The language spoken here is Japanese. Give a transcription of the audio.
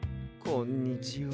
こんにちは。